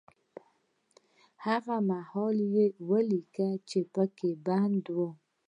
هغه مهال يې وليکه چې په بند کې و.